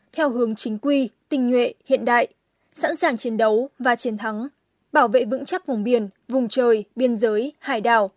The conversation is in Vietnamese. theo hướng chính quy tình nhuệ hiện đại sẵn sàng chiến đấu và chiến thắng bảo vệ vững chắc vùng biển vùng trời biên giới hải đảo